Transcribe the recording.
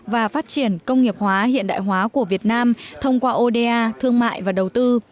và phát triển công nghiệp hóa hiện đại hóa của việt nam thông qua oda thương mại và đầu tư